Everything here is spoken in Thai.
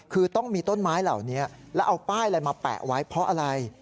คือต้องมีต้นไม้เหล่านี้แล้วเอาป้ายอะไรมาแปะไว้เพราะอะไร